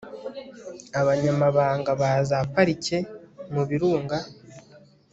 abanyamabanga ba za parike mubirunga